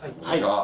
はい！